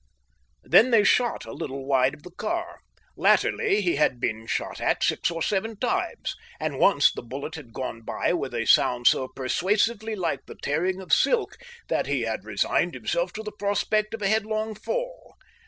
Then they shot a little wide of the car. Latterly he had been shot at six or seven times, and once the bullet had gone by with a sound so persuasively like the tearing of silk that he had resigned himself to the prospect of a headlong fall.